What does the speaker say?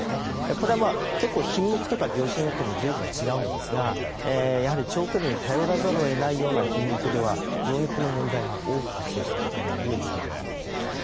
これは結構品目とか業種によっても随分違うんですがやはり、長距離に頼らざるを得ないような品目では非常にこの問題が多く発生してくるということになります。